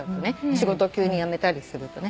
仕事急に辞めたりするとね。